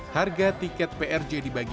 harga tiket prj dibagi